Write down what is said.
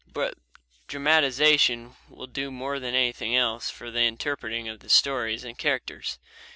But dramatization will do more than anything else for the interpreting of the stories and the characters.